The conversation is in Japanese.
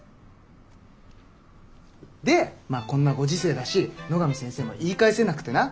でまっこんなご時世だし野上先生も言い返せなくてな。